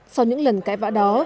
sau những lần cãi vã đó